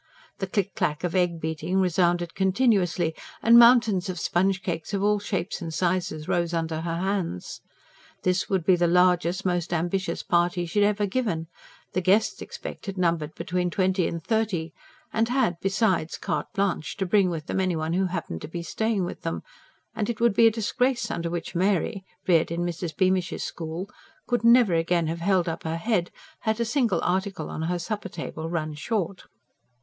The click clack of egg beating resounded continuously; and mountains of sponge cakes of all shapes and sizes rose under her hands. This would be the largest, most ambitious party she had ever given the guests expected numbered between twenty and thirty, and had, besides, carte blanche to bring with them anyone who happened to be staying with them and it would be a disgrace under which Mary, reared in Mrs. Beamish's school, could never again have held up her head, had a single article on her supper table run short.